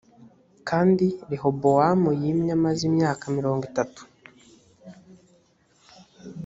kandi rehobowamu yimye amaze imyaka mirongo itatu